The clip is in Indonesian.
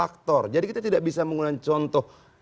kita tidak bisa menggunakan contoh